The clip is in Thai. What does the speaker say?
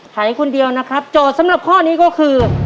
ขายคนเดียวนะครับโจทย์สำหรับข้อนี้ก็คือ